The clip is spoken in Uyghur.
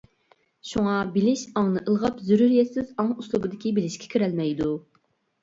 شۇڭا، بىلىش ئاڭنى ئىلغاپ زۆرۈرىيەتسىز ئاڭ ئۇسۇلىدىكى بىلىشكە كىرەلمەيدۇ.